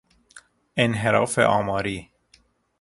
انحراف آماری